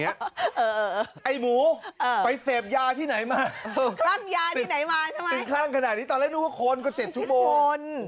อย่างนี้ไอ้หมูไปเสพยาที่ไหนมาติดคลั่งขนาดนี้ตอนแรกดูว่าคนก็๗ชั่วโมง